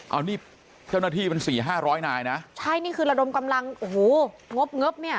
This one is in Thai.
เอานี่เจ้าหน้าที่เป็นสี่ห้าร้อยนายนะใช่นี่คือระดมกำลังโอ้โหงบเงิบเนี่ย